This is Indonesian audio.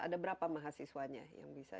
ada berapa mahasiswanya yang bisa